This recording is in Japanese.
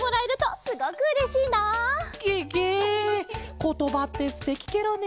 ことばってすてきケロね。